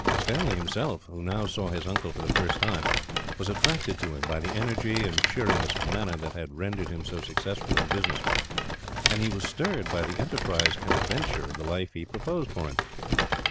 Stanley himself, who now saw his uncle for the first time, was attracted to him by the energy and cheeriness of manner that had rendered him so successful in business; and he was stirred by the enterprise and adventure of the life he proposed for him.